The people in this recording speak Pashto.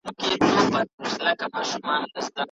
عادتونه د وخت په تېرېدو جوړېږي.